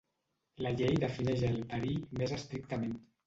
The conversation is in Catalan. La llei defineix el "verí" més estrictament.